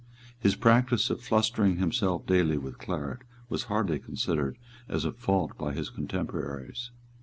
His practice of flustering himself daily with claret was hardly considered as a fault by his contemporaries.